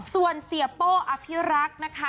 ส่วนเสียโป้อภิรักษ์นะคะ